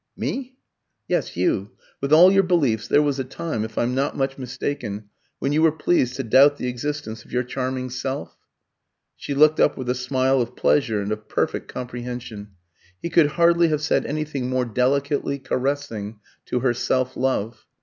"Me?" "Yes, you. With all your beliefs, there was a time, if I'm not much mistaken, when you were pleased to doubt the existence of your charming self?" She looked up with a smile of pleasure and of perfect comprehension. He could hardly have said anything more delicately caressing to her self love.